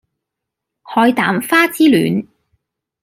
海膽花之戀